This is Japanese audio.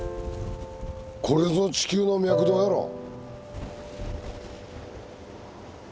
これぞ地球の脈動やろう。